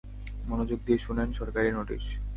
মনযোগ দিয়ে শুনেন, সরকারি নোটিশ।